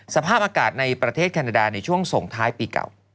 สภาพอากาศในประเทศแคนาดาในช่วงส่งท้ายปีเก่า